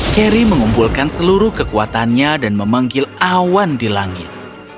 harry mengumpulkan seluruh kekuatannya dan memanggil awan di langit